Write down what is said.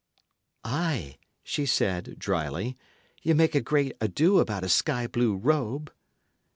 "Ay," she said, dryly, "ye make a great ado about a sky blue robe!"